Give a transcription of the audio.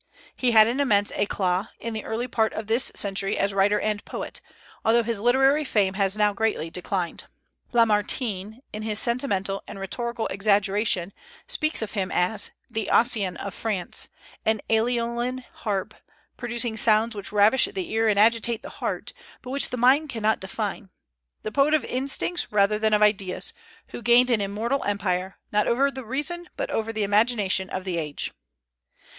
He had an immense éclat in the early part of this century as writer and poet, although his literary fame has now greatly declined. Lamartine, in his sentimental and rhetorical exaggeration, speaks of him as "the Ossian of France, an aeolian harp, producing sounds which ravish the ear and agitate the heart, but which the mind cannot define; the poet of instincts rather than of ideas, who gained an immortal empire, not over the reason but over the imagination of the age."